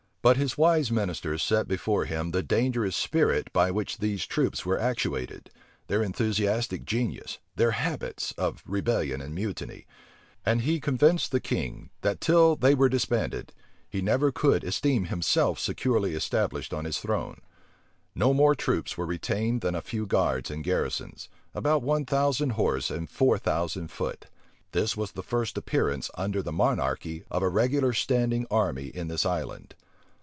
But his wise minister set before him the dangerous spirit by which these troops were actuated, their enthusiastic genius, their habits of rebellion and mutiny; and he convinced the king, that, till they were disbanded, he never could esteem himself securely established on his throne. No more troops were retained than a few guards and garrisons, about one thousand horse and four thousand foot. This was the first appearance, under the monarchy, of a regular standing army in this island.